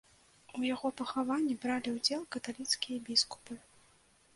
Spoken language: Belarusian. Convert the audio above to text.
У яго пахаванні бралі ўдзел каталіцкія біскупы.